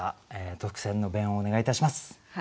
特選の弁をお願いいたします。